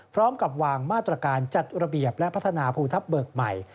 พร้อมกับวางมาตรการจัดระเบียบและพัฒนาภูทับเบิกใหม่